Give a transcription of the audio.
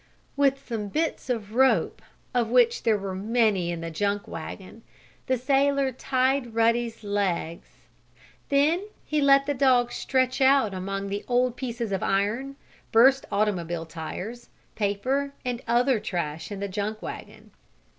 With some bits of rope, of which there were many in the junk wagon, the sailor tied Ruddy's legs. Then he let the dog stretch out among the old pieces of iron, burst automobile tires, paper and other trash in the junk wagon.